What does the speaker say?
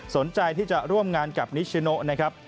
สนใจที่จะร่วมงานกับนิชิโนนะครับ